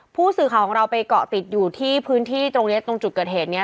ผู้สื่อข่าวของเราไปเกาะติดอยู่ที่พื้นที่ตรงนี้ตรงจุดเกิดเหตุนี้